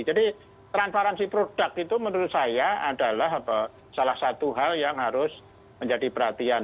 jadi transparansi produk itu menurut saya adalah salah satu hal yang harus menjadi perhatian